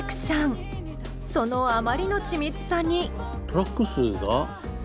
そのあまりの緻密さに。